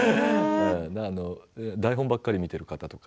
台本ばかり見ている方とか。